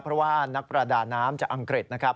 เพราะว่านักประดาน้ำจากอังกฤษนะครับ